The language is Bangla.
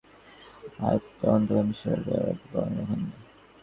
এত অন্ধকার নিসার আলি এর আগে কখনো দেখেন নি।